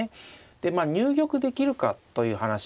でまあ入玉できるかという話です。